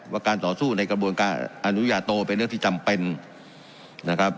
การต่อสู้ในกระบวนการอนุญาโตเป็นเรื่องที่จำเป็นนะครับ